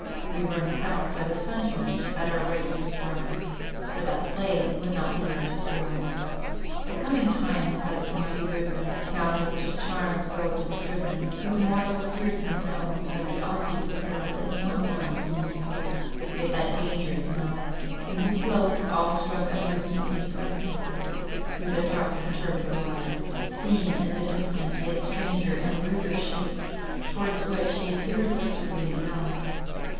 We were impressed by the sentiment, that our race was run, but that plague would not be our destroyer. The coming time was as a mighty river, down which a charmed boat is driven, whose mortal steersman knows, that the obvious peril is not the one he needs fear, yet that danger is nigh; and who floats awe struck under beetling precipices, through the dark and turbid waters—seeing in the distance yet stranger and ruder shapes, towards which he is irresistibly impelled.